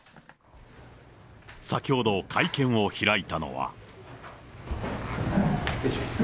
先ほど会見を開いたのは。